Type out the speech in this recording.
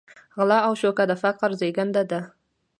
غلا او شوکه د فقر زېږنده ده.